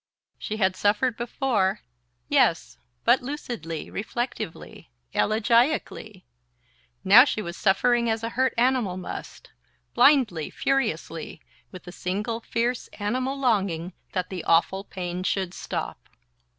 She had suffered before yes, but lucidly, reflectively, elegiacally: now she was suffering as a hurt animal must, blindly, furiously, with the single fierce animal longing that the awful pain should stop...